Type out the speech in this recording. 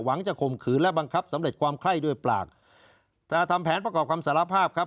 จะข่มขืนและบังคับสำเร็จความไข้ด้วยปากถ้าทำแผนประกอบคำสารภาพครับ